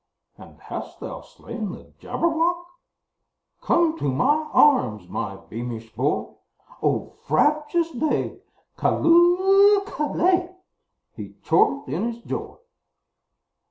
"And hast thou slain the Jabberwock? Come to my arms, my beamish boy! O frabjous day! Callooh! Callay!" He chortled in his joy.